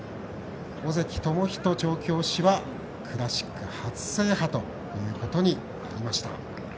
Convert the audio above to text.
尾関知人調教師はクラシック初制覇ということになりました。